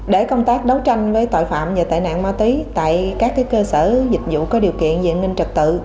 để công tác đấu tranh với tội phạm và tài nạn ma túy tại các cơ sở dịch vụ có điều kiện diện ninh trật tự